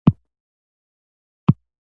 همسايه مو ښه سړی دی.